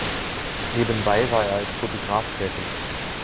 Nebenbei war er als Fotograf tätig.